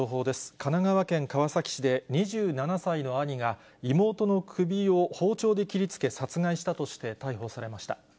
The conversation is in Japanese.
神奈川県川崎市で、２７歳の兄が妹の首を包丁で切りつけ、殺害したとして逮捕されました。